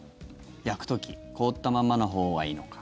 焼く時凍ったままのほうがいいのか。